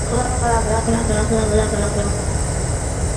白花风筝果为金虎尾科风筝果属下的一个种。